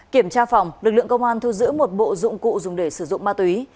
kiểm tra phòng lực lượng công an thu giữ một bộ dụng cụ dùng để sử dụng ma túy